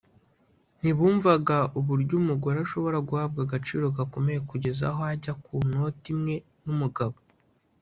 ntibumvaga uburyo umugore ashobora guhabwa agaciro gakomeye kugeza aho ajya ku noti imwe n’umugabo